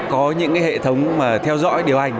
có những hệ thống theo dõi điều hành